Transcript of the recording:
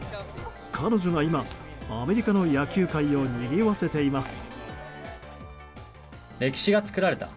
彼女が今、アメリカの野球界をにぎわせています。